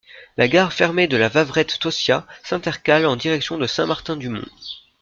La gare fermée de La Vavrette-Tossiat s'intercale en direction de Saint-Martin-du-Mont.